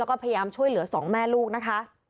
แล้วก็พยายามช่วยเหลือสองแม่ลูกนะคะ